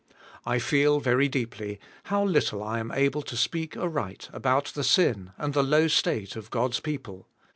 I feel, very deeply, how little I am able to speak aright about the sin and the low state of God's people.